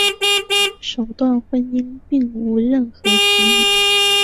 首段婚姻并无任何子女。